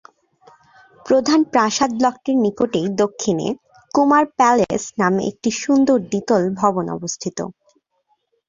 প্রধান প্রাসাদ ব্লকটির নিকটেই দক্ষিণে ‘কুমার প্যালেস’ নামে একটি সুন্দর দ্বিতল ভবন অবস্থিত।